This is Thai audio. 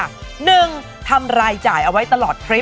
หนึ่งทำรายจ่ายเอาไว้ตลอดทริป